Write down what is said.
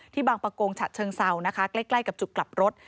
ที่บางประโกงฉัดเชิงเสานะคะใกล้ใกล้กับจุดกลับรถ